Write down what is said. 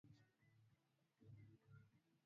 Mitungi ilianguka chini